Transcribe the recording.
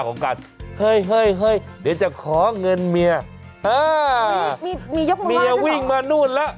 มียกมือล่ะหรือเปล่ามียกมือล่ะหรือเปล่า